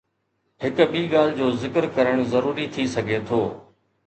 هڪ ٻي ڳالهه جو ذڪر ڪرڻ ضروري ٿي سگهي ٿو.